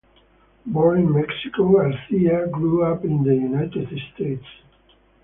Born in Mexico, Garcia grew up in the United States.